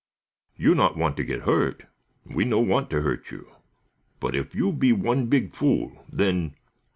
"You not want to get hurt? We no want hurt you, but if you be one big fool, then